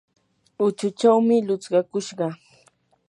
huchuchawmi lutskakushqa.